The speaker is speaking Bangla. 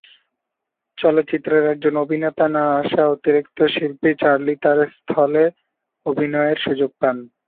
চলচ্চিত্রের একজন অভিনেতা না আসায় অতিরিক্ত শিল্পী চার্লি তার স্থলে অভিনয়ের সুযোগ পান।